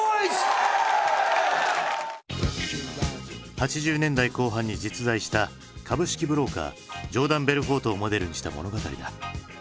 ８０年代後半に実在した株式ブローカージョーダン・ベルフォートをモデルにした物語だ。